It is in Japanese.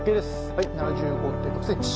はい７５．６ｃｍ。